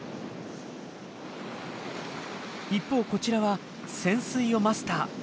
一方こちらは潜水をマスター。